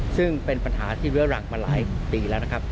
ซึ่งเป็นปัญหาที่เรื้อรังมาหลายปีแล้วนะครับ